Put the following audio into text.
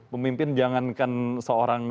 pemimpin jangankan seorang